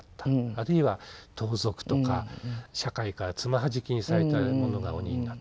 あるいは盗賊とか社会から爪はじきにされた者が鬼になった。